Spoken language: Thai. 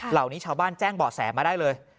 เหล่านี้ชาวบ้านแจ้งเบาะแสมาได้เลย